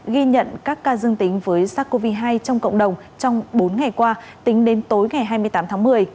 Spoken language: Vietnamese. ghi nhận các ca dương tính với sars cov hai trong cộng đồng trong bốn ngày qua tính đến tối ngày hai mươi tám tháng một mươi